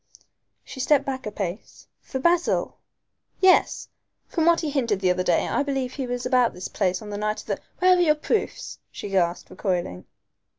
She stepped back a pace. "For Basil?" "Yes. From what he hinted the other day I believe he was about this place on the night of the " "Where are your proofs?" she gasped, recoiling.